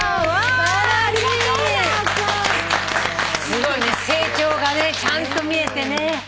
すごいね成長がねちゃんと見えてね。